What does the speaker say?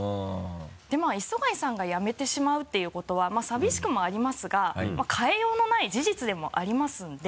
でまぁ磯貝さんが辞めてしまうっていうことはさびしくもありますが変えようのない事実でもありますので。